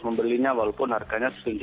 membelinya walaupun harganya setinggi